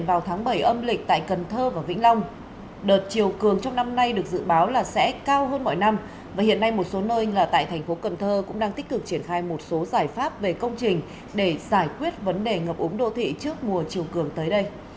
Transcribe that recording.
và hiện nay một số nơi như là tại thành phố cần thơ cũng đang tích cực triển khai một số giải pháp về công trình để giải quyết vấn đề ngập úng đô thị trước mùa chiều cường tới đây